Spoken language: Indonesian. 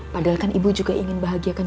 padahal kan ibu juga ingin bahagiakan